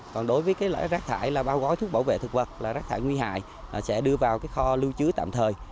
còn đối với rác thải bao gói thuốc bảo vệ thực vật rác thải nguy hại sẽ đưa vào kho lưu chứa tạm thời